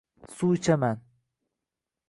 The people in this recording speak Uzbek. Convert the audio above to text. Suv ichaman.